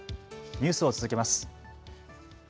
ニュースを続けます。